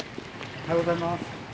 おはようございます。